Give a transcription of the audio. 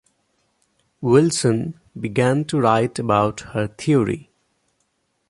Wilson began to write about her theory.